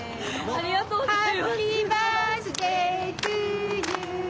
ありがとうございます。